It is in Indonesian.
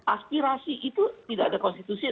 aspirasi itu tidak ada konstitusi